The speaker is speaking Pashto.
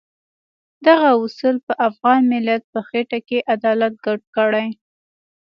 دغه اصول په افغان ملت په خټه کې عدالت ګډ کړی.